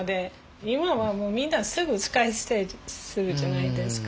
今はもうみんなすぐ使い捨てするじゃないですか。